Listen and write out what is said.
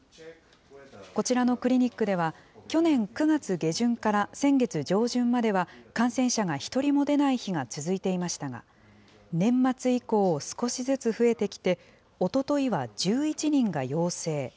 こちらのクリニックでは、去年９月下旬から先月上旬までは感染者が１人も出ない日が続いていましたが、年末以降、少しずつ増えてきて、おとといは１１人が陽性。